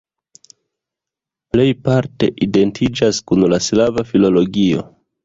Plejparte identiĝas kun la slava filologio.